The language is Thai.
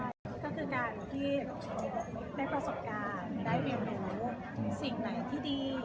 ก็คือการที่ได้ประสบการณ์ได้เรียนรู้สิ่งไหนที่ดี